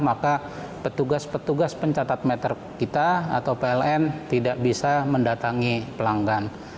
maka petugas petugas pencatat meter kita atau pln tidak bisa mendatangi pelanggan